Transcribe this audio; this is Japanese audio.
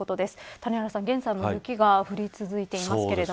谷原さん、現在も雪が降り続いています。